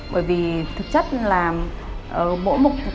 bởi vì thực chất là mỗi mục ca mổ